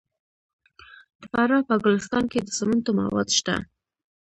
د فراه په ګلستان کې د سمنټو مواد شته.